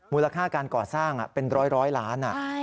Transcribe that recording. มูลค่าการก่อสร้างเป็นร้อยล้าน